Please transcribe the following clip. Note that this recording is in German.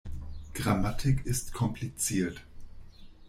Grammatik ist kompliziert.